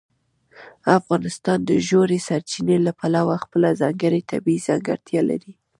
افغانستان د ژورې سرچینې له پلوه خپله ځانګړې طبیعي ځانګړتیا لري.